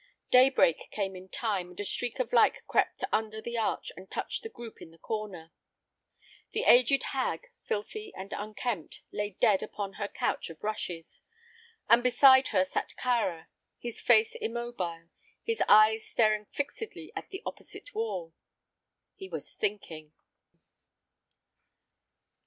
Daybreak came in time, and a streak of light crept under the arch and touched the group in the corner. The aged hag, filthy and unkempt, lay dead upon her couch of rushes, and beside her sat Kāra, his face immobile, his eyes staring fixedly at the opposite wall. He was thinking.